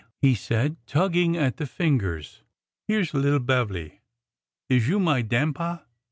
" he said, tugging at the fingers. " Here 's — li'l' Bev'ly! Is you my dan'pa?"